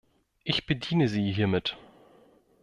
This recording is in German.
Ich bediene Sie hiermit.